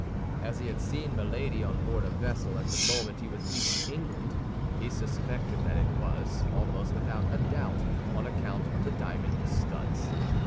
As he had seen Milady on board a vessel at the moment he was leaving England, he suspected that it was, almost without a doubt, on account of the diamond studs.